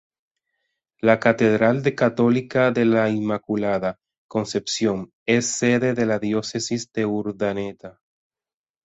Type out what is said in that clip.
La catedral católica de la Inmaculada Concepción es sede de la Diócesis de Urdaneta.